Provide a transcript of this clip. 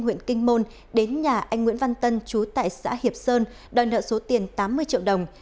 huyện kinh môn đến nhà anh nguyễn văn tân chú tại xã hiệp sơn đòi nợ số tiền tám mươi triệu đồng